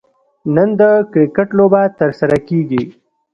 نن د کرکټ لوبه ترسره کیږي